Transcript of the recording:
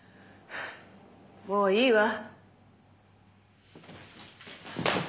もういいわ。